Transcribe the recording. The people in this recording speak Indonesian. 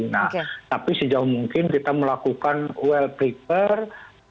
nah tapi sejauh mungkin kita melakukan well preaker